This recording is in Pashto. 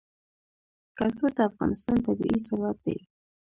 کلتور د افغانستان طبعي ثروت دی.